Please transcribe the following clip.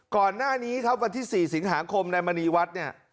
ก่อนหน้านี้ครับวันที่๔สิงหาคมนายมณีวัดเนี่ย